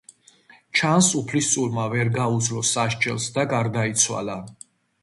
ჩანს, უფლისწულმა ვერ გაუძლო სასჯელს და გარდაიცვალა.